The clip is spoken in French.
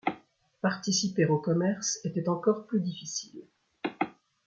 Participer au commerce était encore plus difficile.